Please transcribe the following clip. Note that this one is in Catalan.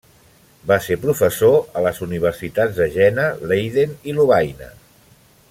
Va ser professor a les universitats de Jena, Leiden i Lovaina.